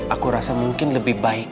aku rasa mungkin lebih baik